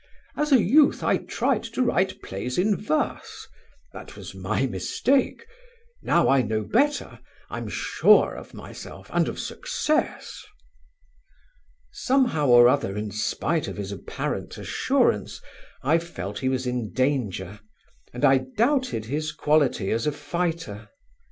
As a youth I tried to write plays in verse; that was my mistake. Now I know better; I'm sure of myself and of success." Somehow or other in spite of his apparent assurance I felt he was in danger and I doubted his quality as a fighter.